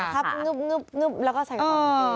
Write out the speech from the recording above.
คับงึบแล้วก็ใส่กระเป๋า